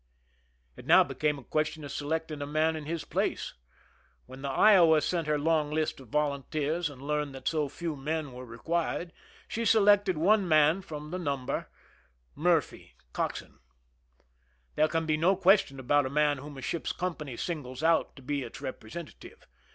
) It now became a question of selecting a man in his place. When the Iowa sent her long list of volunteers and learned that so few men were re quired, she selected one man from all the number —Murphy, cockswain. There can be no question about a man whom a ship's company singles out \ to be its representative.